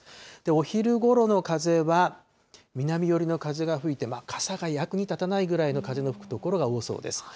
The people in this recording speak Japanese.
お昼ごろの風は、南寄りの風が吹いて、傘が役に立たないぐらいの風の吹く所が多そうです。